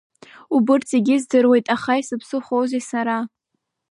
Убырҭ зегьы здыруеит, аха исыԥсыхәоузеи сара?